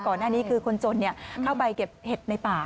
ก่อนหน้านี้คือคนจนเข้าไปเก็บเห็ดในป่า